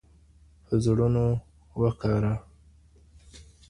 په زړونو وکاره